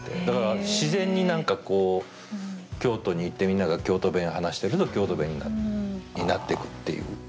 だから自然に何かこう京都に行ってみんなが京都弁話してると京都弁になってくっていう。